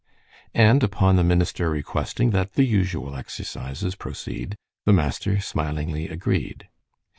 And upon the minister requesting that the usual exercises proceed, the master smilingly agreed.